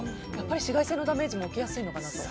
紫外線のダメージも受けやすいのかなと。